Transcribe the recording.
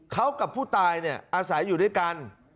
เขากับผู้ตายอาศัยอยู่ด้วยกัน